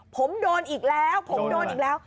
ผมโดนอีกแล้วผมโดนอีกแล้ว